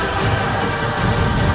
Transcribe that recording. aku akan menang